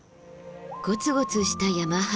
ゴツゴツした山肌。